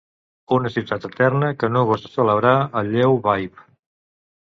Una ciutat eterna que no gosa celebrar el lleu vaiv